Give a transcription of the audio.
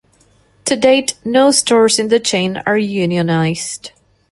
To date, no stores in the chain are unionized.